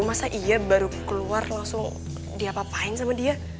masa iya baru keluar langsung diapapain sama dia